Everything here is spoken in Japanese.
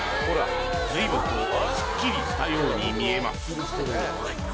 随分とすっきりしたように見えます